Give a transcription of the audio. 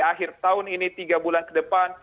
akhir tahun ini tiga bulan ke depan